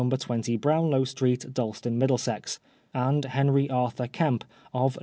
20 Brownlow Street, Dalston, Middlesex ; and Henst Arthur Kemp, of No.